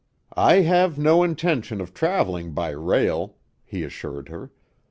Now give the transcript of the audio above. "I have no intention of traveling by rail," he assured her.